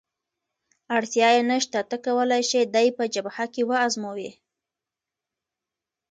اړتیا یې نشته، ته کولای شې دی په جبهه کې وآزموېې.